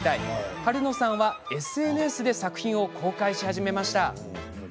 春乃さんはＳＮＳで作品を公開しています。